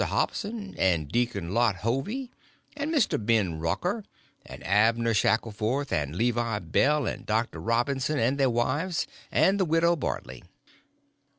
Hobson, and Deacon Lot Hovey, and Mr. Ben Rucker, and Abner Shackleford, and Levi Bell, and Dr. Robinson, and their wives, and the widow Bartley.